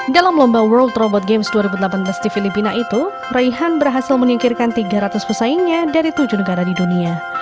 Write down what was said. dalam lomba world robot games dua ribu delapan belas di filipina itu raihan berhasil menyingkirkan tiga ratus pesaingnya dari tujuh negara di dunia